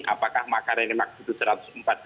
apakah makar ini berguna atau tidak